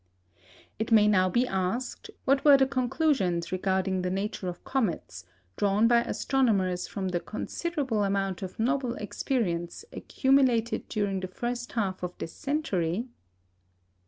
It may now be asked, what were the conclusions regarding the nature of comets drawn by astronomers from the considerable amount of novel experience accumulated during the first half of this century?